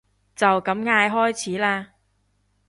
就咁嗌開始啦